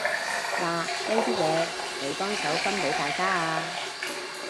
嗱呢啲嘢，你幫手分畀大家啊